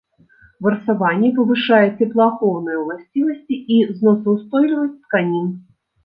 Варсаванне павышае цеплаахоўныя уласцівасці і зносаўстойлівасць тканін.